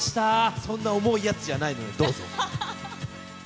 そんな重いやつじゃないのよ、どうぞ。